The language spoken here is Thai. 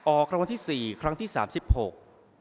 ออกรางวัลที่สี่ครั้งที่สามสิบหก